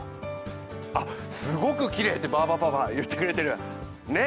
あっ、すごくきれいってバーバパパが言ってくれてる。